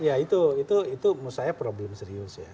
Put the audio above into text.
ya itu menurut saya problem serius ya